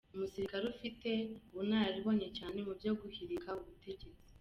Umusirikare ufite ubunararibonye cyane mu byo guhirika ubutegetsi.